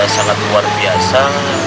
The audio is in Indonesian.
sangat luar biasa